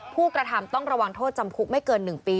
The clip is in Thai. ผู้กระทำต้องระวังโทษจำคุกไม่เกิน๑ปี